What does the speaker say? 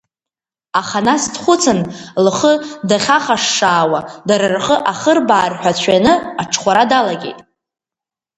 Аха, нас дхәыцын, лхы дахьахашшаауа, дара рхы ахырбаар ҳәа дшәаны аҽхәара далагеит.